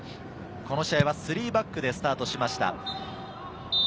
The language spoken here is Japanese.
この試合は３バックでスタートしました。